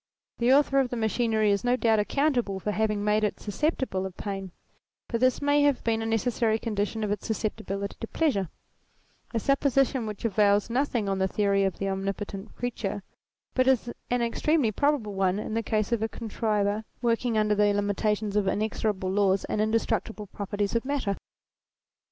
The author of the machinery is no doubt accountable for having made it susceptible of pain ; but this may have been a necessary condition of its susceptibility to pleasure ; a supposition which avails nothing on the theory of an Omnipotent Creator but is an extremely probable one in the case of a contriver working under the limitation of inexorable laws and indestructible pro 192 THEISM perties of matter.